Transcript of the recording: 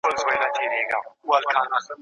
اباسین څپې څپې سو بیا به څه نکلونه راوړي